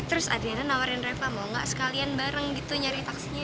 terus adriana nawarin reva mau gak sekalian bareng gitu nyari taksinya